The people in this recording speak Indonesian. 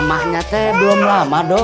mamahnya teh belum lama do